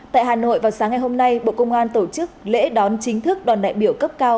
tại hà nội vào sáng ngày hôm nay bộ công an tổ chức lễ đón chính thức đoàn đại biểu cấp cao